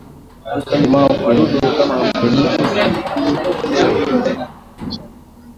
weka limao kwenye ili kuwezesha ufyonzwaji wa madini chuma